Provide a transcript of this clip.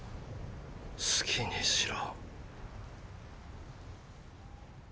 好きにしろ。